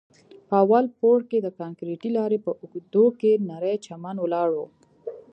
په اول پوړ کښې د کانکريټي لارې په اوږدو کښې نرى چمن ولاړ و.